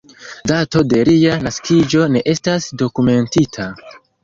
Dato de lia naskiĝo ne estas dokumentita.